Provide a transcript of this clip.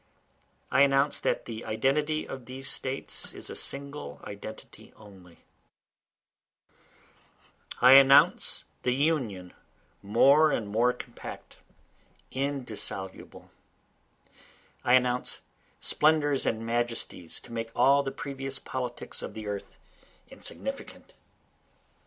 I announce that the identity of these States is a single identity only, I announce the Union more and more compact, indissoluble, I announce splendors and majesties to make all the previous politics of the earth insignificant.